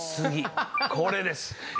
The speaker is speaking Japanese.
これです。